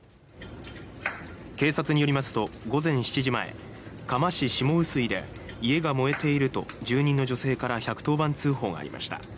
警察によりますと午前７時前嘉麻市下臼井で家が燃えていると住人の女性から１１０番通報がありました。